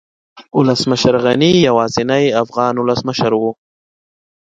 ولسمشر غني يوازينی افغان ولسمشر و